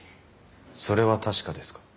それは確かですか？